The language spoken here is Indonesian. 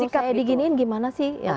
kalau saya diginiin gimana sih